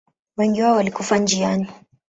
Wengi wao walikufa njiani.